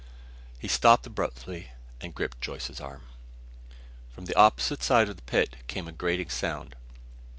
He stopped abruptly, and gripped Joyce's arm. From the opposite side of the pit came a grating sound.